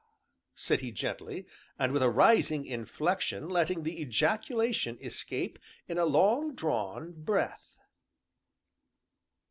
said he gently, and with a rising inflection, letting the ejaculation escape in a long drawn breath.